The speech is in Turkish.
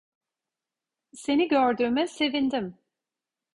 Seni gördüğüme sevindim.